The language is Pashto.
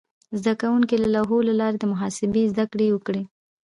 زده کوونکي د لوحو له لارې د محاسبې زده کړه وکړه.